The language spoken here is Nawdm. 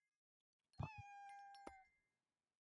Pacinaa.